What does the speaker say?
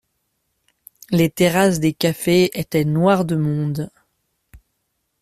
Les terrasses des cafés étaient noires de monde.